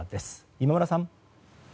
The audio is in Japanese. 今村さん！